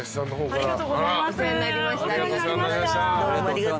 ありがとうございます。